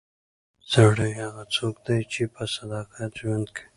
سړی هغه څوک دی چې په صداقت ژوند کوي.